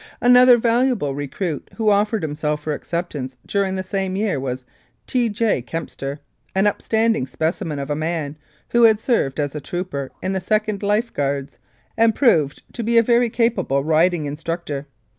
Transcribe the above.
Another valuable recruit who offered himself for acceptance during the same year was T. J. Kempster, an upstanding specimen of a man who had served as a trooper in the 2nd Life Guards, and proved to be a very capable riding instructor.